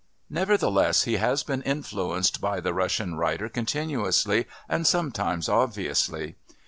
Nevertheless he has been influenced by the Russian writer continuously and sometimes obviously.